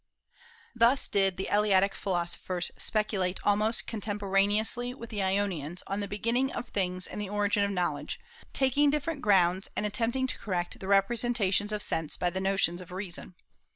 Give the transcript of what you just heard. Thus did the Eleatic philosophers speculate almost contemporaneously with the Ionians on the beginning of things and the origin of knowledge, taking different grounds, and attempting to correct the representations of sense by the notions of reason.